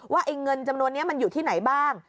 ว่าไอ้เงินจำนวนนี้มันอยู่ที่ไหนบ้าง